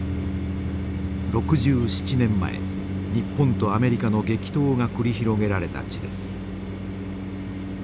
６７年前日本とアメリカの激闘が繰り広げられた地です。